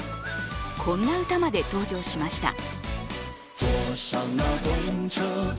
こんな歌まで登場しました。